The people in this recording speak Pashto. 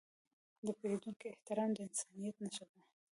د پیرودونکي احترام د انسانیت نښه ده.